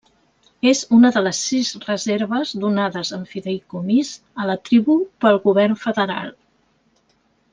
És una de les sis reserves donades en fideïcomís a la tribu pel govern federal.